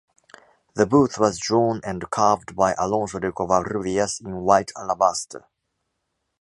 The booth was drawn and carved by Alonso de Covarrubias in white alabaster.